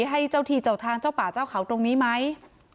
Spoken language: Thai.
ให้เจ้าที่เจ้าทางเจ้าป่าเจ้าเขาตรงนี้ไหม